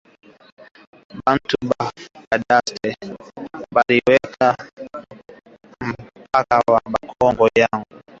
Bantu ba cadastre bari weka mpaka wa mpango yangu